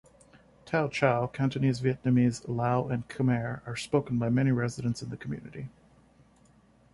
Teochew, Cantonese, Vietnamese, Lao and Khmer are spoken by many residents in the community.